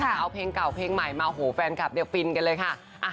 เอาเพลงเก่าเพลงใหม่มาโหแฟนคลับเนี่ยฟินกันเลยค่ะ